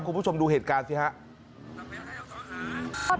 คุณผู้ชมดูเหตุการณ์สิครับ